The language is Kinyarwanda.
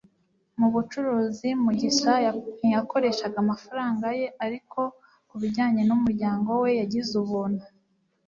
Mu bucuruzi, Mugisha ntiyakoresheje amafaranga ye, ariko ku bijyanye n'umuryango we, yagize ubuntu.